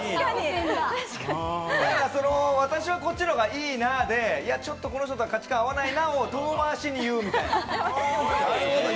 私はこっちのほうがいいなって、私はこの人と価値観、合わないなっていうのを遠回しに言うっていう。